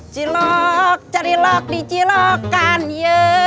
cilok cari lok di cilokan ye